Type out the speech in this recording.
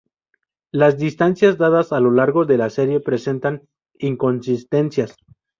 Las distancias dadas a lo largo de la serie presentan inconsistencias.